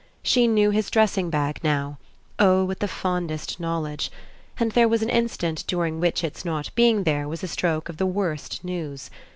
She knew his dressing bag now oh with the fondest knowledge! and there was an instant during which its not being there was a stroke of the worst news.